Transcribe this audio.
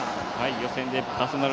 予選でパーソナル